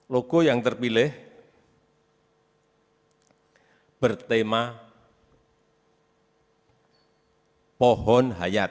logo yang terpilih bertema pohon hayat